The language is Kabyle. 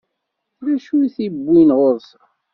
D acu i t-iwwin ɣur-sen?